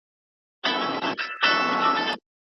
کوم کتاب ستا پر ژوند تر ټولو زيات اغېز کړی دی؟